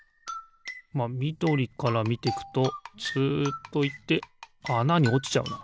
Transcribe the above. まあみどりからみてくとツッといってあなにおちちゃうな。